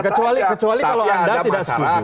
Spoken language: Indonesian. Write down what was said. kecuali kalau anda tidak setuju